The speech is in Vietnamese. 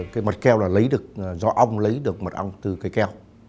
cái mật keo là lấy được do ong lấy được mật ong từ cây keo